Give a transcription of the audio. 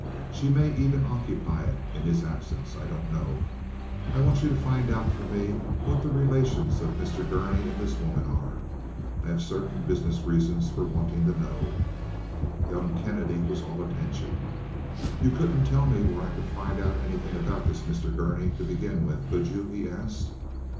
She may even occupy it in his absence—I don't know. I want you to find out for me what the relations of Mr. Gurney and this woman are. I have certain business reasons for wanting to know." Young Kennedy was all attention. "You couldn't tell me where I could find out anything about this Mr. Gurney to begin with, could you?" he asked.